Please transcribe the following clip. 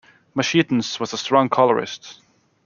Machetanz was a strong colorist.